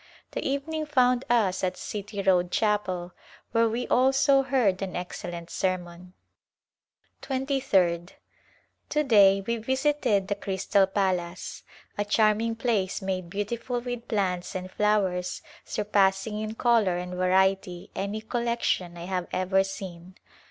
The evening found us at City Road Chapel where we also heard an excellent sermon. [lO] Outward Journey Twenty third. To day we visited the Crystal Palace, a charming place made beautiful with plants and flowers surpass ing in color and variety any collection I have ever seen.